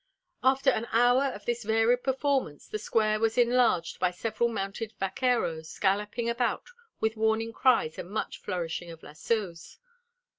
After an hour of this varied performance, the square was enlarged by several mounted vaqueros galloping about with warning cries and much flourishing of lassos.